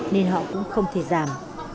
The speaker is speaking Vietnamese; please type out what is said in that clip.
nên họ cũng không thể giảm